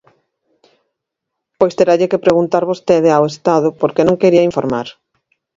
Pois teralle que preguntar vostede ao Estado por que non quería informar.